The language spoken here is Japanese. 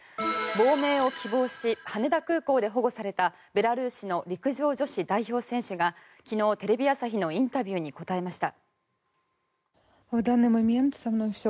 亡命を希望し羽田空港で保護されたベラルーシの陸上女子代表選手が昨日テレビ朝日のインタビューに答えました。